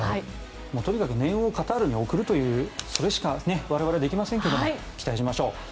とにかく念をカタールに送るというそれしか、我々はできませんが期待しましょう。